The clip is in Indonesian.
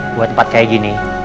buat tempat kayak gini